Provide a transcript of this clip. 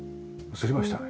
映りましたね。